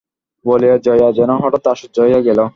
বলিয়া জয়া যেন হঠাৎ আশ্চর্য হইয়া গেল।